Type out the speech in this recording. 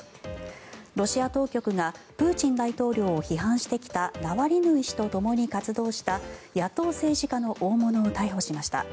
ロシア当局がプーチン大統領を批判してきたナワリヌイ氏とともに活動した野党政治家の大物を逮捕しました。